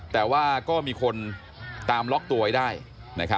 แต่ว่าก็มีคนตามล็อกตัวไว้ได้